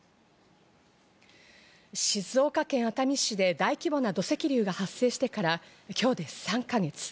静岡県熱海市で大規模な土石流が発生してから今日で３か月。